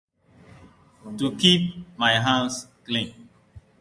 To keep my house clean.